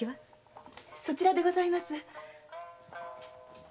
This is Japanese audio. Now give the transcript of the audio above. そちらでございます。